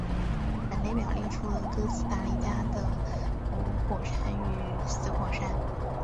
本列表列出了哥斯达黎加的活火山与死火山。